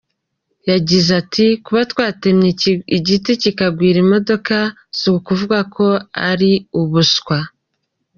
Yagize ati : “Kuba twatemye igiti kikagwira imodoka si ukuvuga ko ari ubuswa.